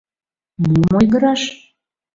Мом ойгыраш?